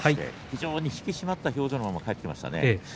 非常に引き締まった表情で帰ってきました。